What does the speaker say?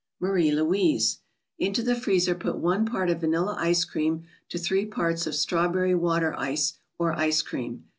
MARIE LOUISE.—Into the freezer put one part of vanilla ice cream to three parts of strawberry water ice, or ice cream.